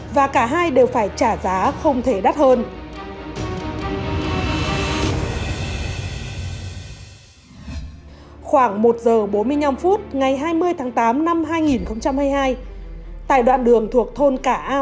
và cả hai đều phải trả giá không thể đắt hơn